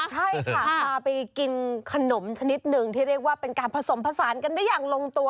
ใช่ค่ะพาไปกินขนมชนิดหนึ่งที่เรียกว่าเป็นการผสมผสานกันได้อย่างลงตัว